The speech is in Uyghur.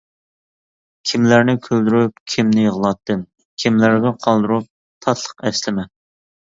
كىملەرنى كۈلدۈرۈپ كىمنى يىغلاتتىم، كىملەرگە قالدۇرۇپ تاتلىق ئەسلىمە.